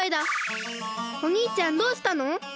おにいちゃんどうしたの！？